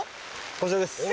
こちらです。